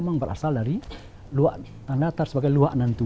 memang berasal dari luak tanah datar sebagai luak nantuo